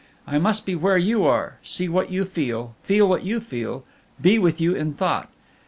I must be where you are, see what you feel, feel what you feel, be with you in thought.